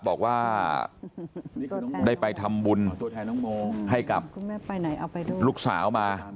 บอกว่าได้ไปทำบุญให้กับลูกสาวมา